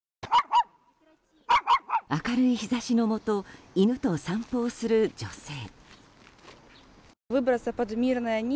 明るい日差しのもと犬と散歩をする女性。